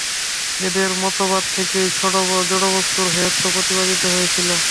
এদের মতবাদ থেকেই জড়বস্তুর হেয়ত্ব প্রতিপাদিত হয়েছিল।